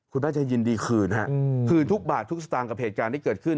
คุณแม่จะยินดีคืนฮะคืนทุกบาททุกสตางค์กับเหตุการณ์ที่เกิดขึ้น